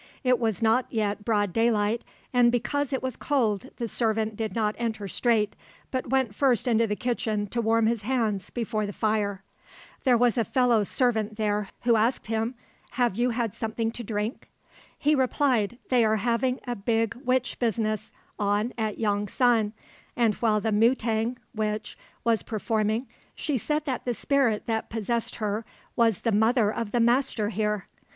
It was not yet broad daylight, and because it was cold the servant did not enter straight, but went first into the kitchen to warm his hands before the fire. There was a fellow servant there who asked him, "Have you had something to drink?" He replied, "They are having a big witch business on at Yong san, and while the mutang (witch) was performing, she said that the spirit that possessed her was the mother of the master here.